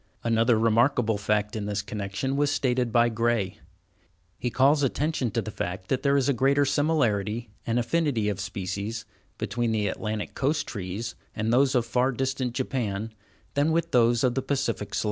Another remarkable fact in this connection was stated by Gray. He calls attention to the fact that there is a greater similarity, and affinity of species, between the Atlantic Coast trees and those of far distant Japan, than with those of the Pacific slope.